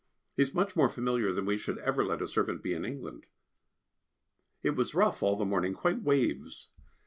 He is much more familiar than we should ever let a servant be in England. It was rough all the morning, quite waves.